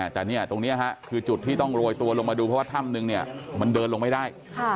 แต่เนี่ยตรงนี้คือจุดที่ต้องโรยตัวลงมาดูเพราะว่าถ้ำนึงเนี่ยมันเดินลงไม่ได้